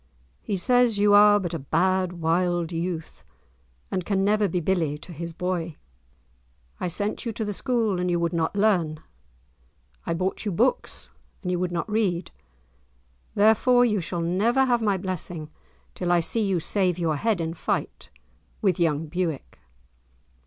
He says you are but a bad, wild youth, and can never be billie to his boy. I sent you to the school, and you would not learn. I bought you books, and you would not read; therefore you shall never have my blessing till I see you save your head in fight with young Bewick."